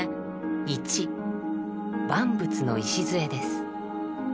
万物の礎です。